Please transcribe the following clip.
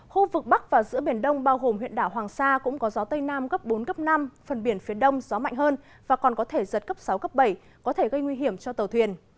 khu vực bắc và giữa biển đông bao gồm huyện đảo hoàng sa cũng có gió tây nam cấp bốn cấp năm phần biển phía đông gió mạnh hơn và còn có thể giật cấp sáu cấp bảy có thể gây nguy hiểm cho tàu thuyền